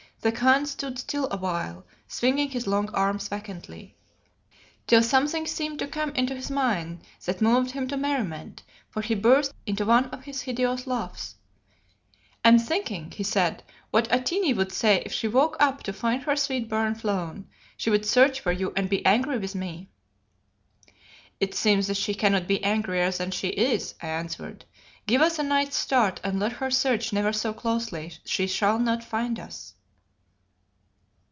The Khan stood still awhile, swinging his long arms vacantly, till something seemed to come into his mind that moved him to merriment, for he burst into one of his hideous laughs. "I am thinking," he said, "what Atene would say if she woke up to find her sweet bird flown. She would search for you and be angry with me." "It seems that she cannot be angrier than she is," I answered. "Give us a night's start and let her search never so closely, she shall not find us."